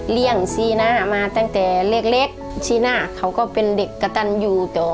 เรียงกับสีนามาตั้งแต่เล็กสีนาเป็นเด็กกะตันอยู่ต่อ